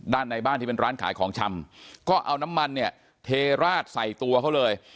ในบ้านที่เป็นร้านขายของชำก็เอาน้ำมันเนี่ยเทราดใส่ตัวเขาเลย